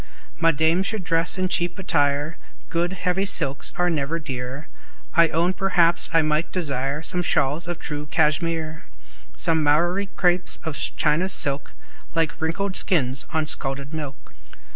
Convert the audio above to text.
My dame should dress in cheap attire; (Good, heavy silks are never dear;) I own perhaps I might desire Some shawls of true Cashmere, Some marrowy crapes of China silk, Like wrinkled skins on scalded milk.